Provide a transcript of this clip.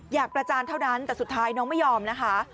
ประจานเท่านั้นแต่สุดท้ายน้องไม่ยอมนะคะ